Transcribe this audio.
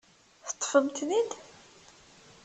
Teṭṭfem-ten-id?